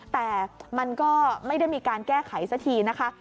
แต่มันก็ไม่ได้มีการแก้ไขสักทีนะคะ